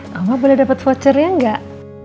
eh oma boleh dapet vouchernya enggak